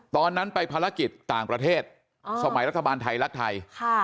ตอนนั้นไปภารกิจต่างประเทศสมัยรัฐบาลไทยรักไทย